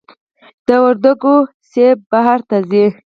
د وردګو مڼې بهر ته ځي؟